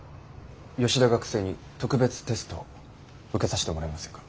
吉田学生に特別テストを受けさしてもらえませんか？